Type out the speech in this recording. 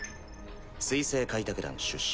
水星開拓団出身。